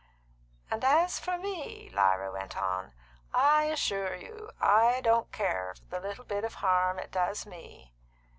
"And as for me," Lyra went on, "I assure you I don't care for the little bit of harm it does me."